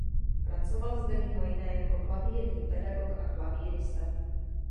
Pracoval zde mimo jiné jako klavírní pedagog a klavírista.